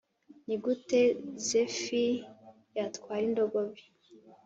nigute zephyr yatwara indogobe?